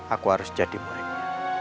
aku harus jadi muridnya